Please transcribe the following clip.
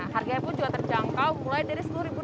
harganya pun juga terjangkau mulai dari rp sepuluh